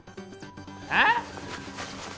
えっ！？